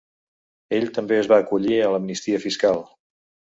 Ell també es va acollir a l’amnistia fiscal.